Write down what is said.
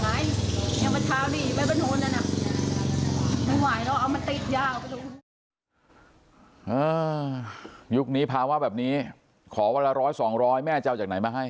ยุคนี้ภาวะแบบนี้ขอวันละร้อยสองร้อยแม่จะเอาจากไหนมาให้